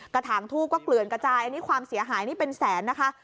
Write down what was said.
ถางทูบก็เกลื่อนกระจายอันนี้ความเสียหายนี่เป็นแสนนะคะ